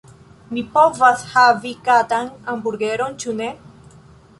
Mi povas havi katan hamburgeron, ĉu ne?